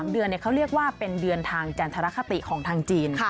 เดือนเขาเรียกว่าเป็นเดือนทางจันทรคติของทางจีน